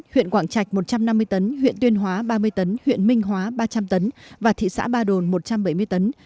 huyện quảng trạch một trăm năm mươi tấn huyện tuyên hóa ba mươi tấn huyện minh hóa ba trăm linh tấn và thị xã ba đồn một trăm bảy mươi tấn